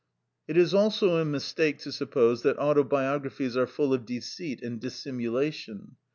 It is also a mistake to suppose that autobiographies are full of deceit and dissimulation.